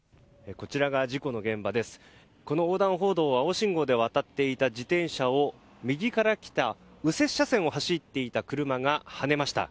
この横断歩道を青信号で渡っていた自転車を右から来た右折車線を走っていた車がはねました。